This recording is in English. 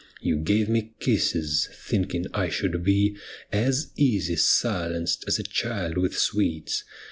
You gave mc kisses, thinking I should be As easy silenced as a child with sweets.